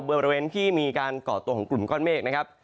บริเวณที่มีการก่อตัวของกลุ่มก้อนเมฆนะครับ